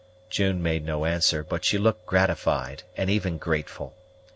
June made no answer, but she looked gratified, and even grateful.